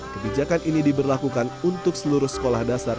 kebijakan ini diberlakukan untuk seluruh sekolah dasar